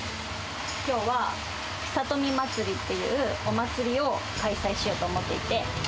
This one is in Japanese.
きょうはヒサトミ祭りっていうお祭りを開催しようと思っていて。